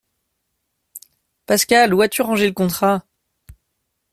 Pascal, où as-tu rangé le contrat?